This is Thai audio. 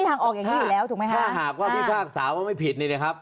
ถ้าหากว่าพี่ฝ้างสาวไม่ผิด